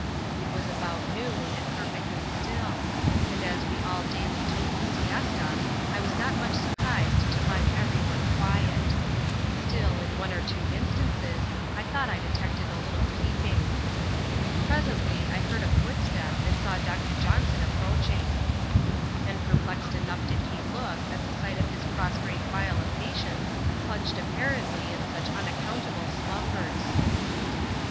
. It was about noon, and perfectly still ; and as we all daily took the siesta, I was not much surprised to find every one quiet Still, in one or two instances, I thought I detected a little peeping. Presently, I heard a footstep, and saw Dr. Johnson ap proaching. And perplexed enough did he look at the sight of his pros trate file of patients, plunged apparently in such unaccountable slumbers.